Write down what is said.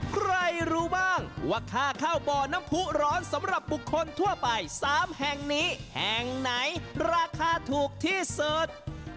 ใครรู้บ้างว่าค่าเข้าบ่อน้ำผู้ร้อนสำหรับบุคคลทั่วไป๓แห่งนี้แห่งไหนราคาถูกที่สุด